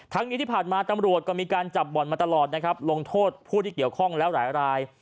นี้ที่ผ่านมาตำรวจก็มีการจับบ่อนมาตลอดนะครับลงโทษผู้ที่เกี่ยวข้องแล้วหลายราย